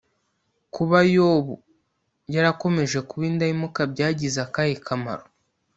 kuba yobu yarakomeje kuba indahemuka byagize akahe kamaro‽